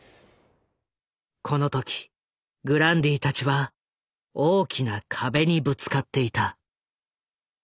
この時グランディたちは大きな壁にぶつかっていた。